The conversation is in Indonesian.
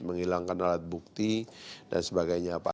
menghilangkan alat bukti dan sebagainya pak